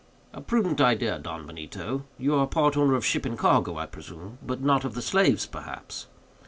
"A prudent idea, Don Benito. You are part owner of ship and cargo, I presume; but none of the slaves, perhaps?"